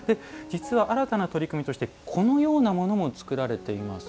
実は新たな取り組みとしてこのようなものも作られています。